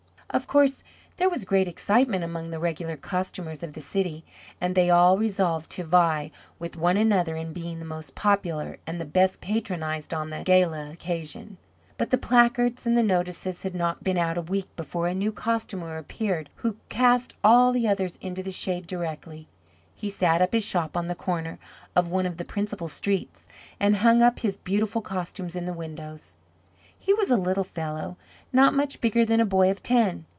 Of course there was great excitement among the regular costumers of the city, and they all resolved to vie with one another in being the most popular, and the best patronized on this gala occasion. But the placards and the notices had not been out a week before a new Costumer appeared who cast all the others into the shade directly. He set up his shop on the corner of one of the principal streets, and hung up his beautiful costumes in the windows. He was a little fellow, not much bigger than a boy of ten.